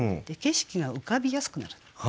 景色が浮かびやすくなる。